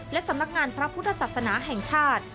และสำนักงานพระพุทธศาสนาแห่งชาติ